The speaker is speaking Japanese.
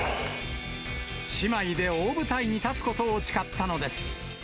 姉妹で大舞台に立つことを誓ったのです。